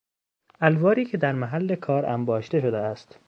الواری که در محل کار انباشته شده است